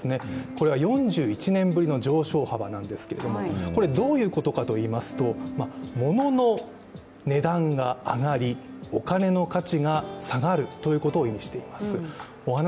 これは４１年ぶりの上昇幅なんですけどどういうことかといいますと物の値段が上がり、お金の価値が下がるということを意味しています。